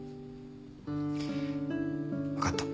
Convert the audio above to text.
分かった。